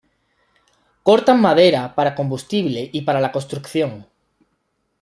Cortan madera para combustible y para la construcción.